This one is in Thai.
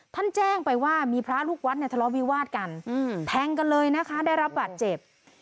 แจ้งไปว่ามีพระลูกวัดเนี่ยทะเลาะวิวาดกันแทงกันเลยนะคะได้รับบาดเจ็บ